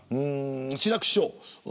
志らく師匠